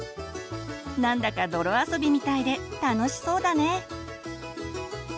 何だか泥遊びみたいで楽しそうだね。